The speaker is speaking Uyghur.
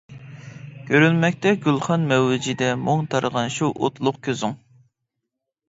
كۆرۈنمەكتە گۈلخان مەۋجىدە مۇڭ تارىغان شۇ ئوتلۇق كۆزۈڭ.